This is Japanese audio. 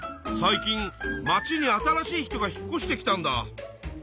最近まちに新しい人が引っこしてきたんだ。